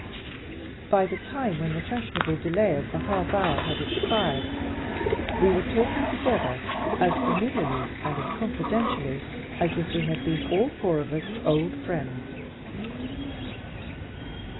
By the time when the fashionable delay of the half hour had expired, we were talking together as familiarly and as confidentially as if we had been all four of us old friends.